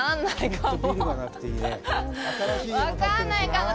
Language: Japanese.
分かんないかも。